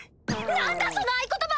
何だその合言葉！